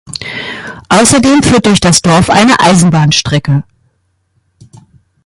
Außerdem führt durch das Dorf eine Eisenbahnstrecke.